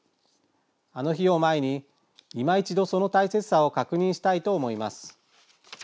あの日を前に今一度その大切さを確認したいと思います。